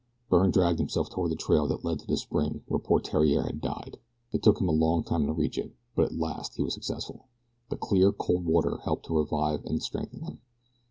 Byrne dragged himself toward the trail that led to the spring where poor Theriere had died. It took him a long time to reach it, but at last he was successful. The clear, cold water helped to revive and strengthen him.